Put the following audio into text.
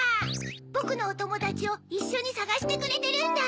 ぼくのおともだちをいっしょにさがしてくれてるんだ。